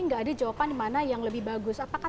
nggak ada jawaban mana yang lebih bagus apakah